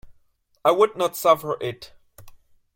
I would not suffer it.